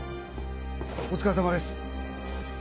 お疲れさまです。